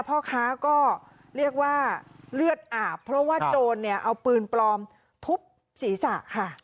พ่อค้าก็เรียกว่าเลือดอาบเพราะว่าโจรเนี่ยเอาปืนปลอมทุบศีรษะค่ะ